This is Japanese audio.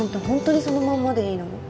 本当にそのまんまでいいの？